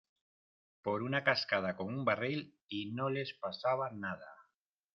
por una cascada con un barril y no les pasaba nada.